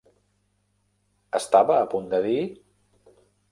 Estava a punt de dir?